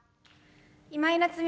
今井菜津美です。